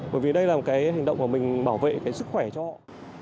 bởi vì đây là một cái hành động của mình bảo vệ cái sức khỏe cho họ